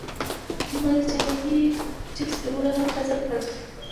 ما د جاپاني چپس نومونه هم هڅه کړل